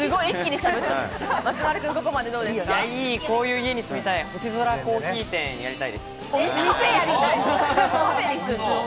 こういう家に住みたい、星空珈琲店やりたいです。